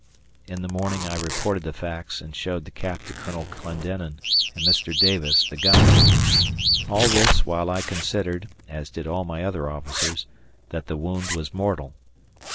In the morning I reported the facts and showed the cap to Colonel Clendenin and Mr. Davis, the guide; all this, while I considered, as did all my other officers, that the wound was mortal.